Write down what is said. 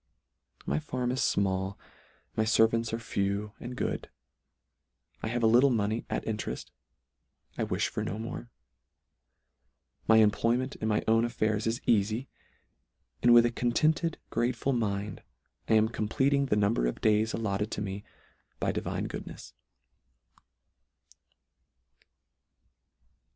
My farm is fmall, my fervants are few, and good ; I have a little money at intereft ; I wifh for no more : my employment in my own af fairs is eafy ; and with a contented grateful mind, I am compleating the number of days allotted to me by divine goodnefs.